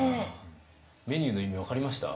メニューの意味分かりました？